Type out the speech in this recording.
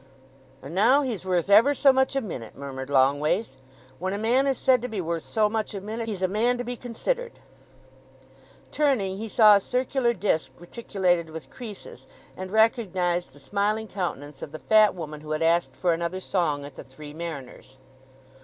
"And now he's worth ever so much a minute," murmured Longways. "When a man is said to be worth so much a minute, he's a man to be considered!" Turning, he saw a circular disc reticulated with creases, and recognized the smiling countenance of the fat woman who had asked for another song at the Three Mariners.